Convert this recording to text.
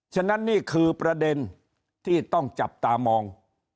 ฉะนั้นนี่คือประเด็นที่ต้องจับตามอง